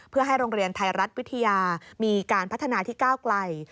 เพื่อให้โรงเรียนไทยรัฐวิทยามีการพัฒนาที่ก้าวไกล